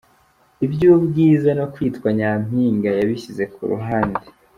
Iby’ubwiza no kwitwa Nyampinga yabishyize ku ruhande.